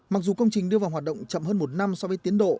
mặc dù công trình đưa vào hoạt động chậm hơn một năm so với tiến độ